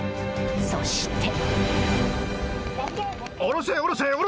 そして。